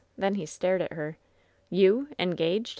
Thea he stared at her. "You! Engaged?"